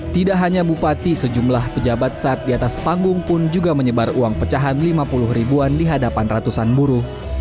tidak hanya bupati sejumlah pejabat saat di atas panggung pun juga menyebar uang pecahan lima puluh ribuan di hadapan ratusan buruh